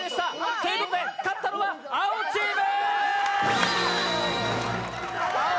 ということで勝ったのは青チーム！